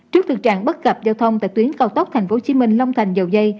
trước thực trạng bất cập giao thông tại tuyến cao tốc tp hcm long thành dầu dây